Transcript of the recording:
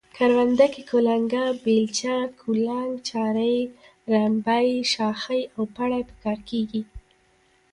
کرونده کې کلنگه، بیلچه، کولنگ، چارۍ، رنبی، شاخۍ او پړی په کاریږي.